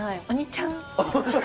お兄ちゃん。